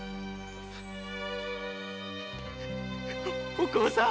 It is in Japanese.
お甲さん。